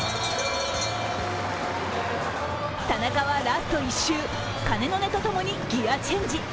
田中はラスト１周、鐘の音とともにギヤチェンジ。